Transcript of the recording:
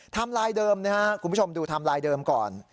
ไทม์ไลน์เดิมนะฮะกลุ่มผู้ชมดูไทม์ไลน์เดิมก่อน